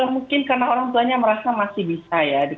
mungkin karena orang tuanya merasa masih bisa ya